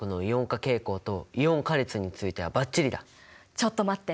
ちょっと待って！